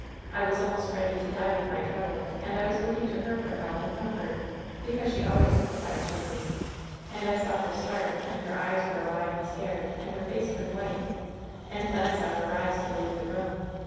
I was almost ready to die with my trouble, and I was looking to her for help and comfort — ^because she always sympathized with me — and I saw her start, and her eyes grow wide and scared, and her face turn white; and then I saw her rise to leave the room.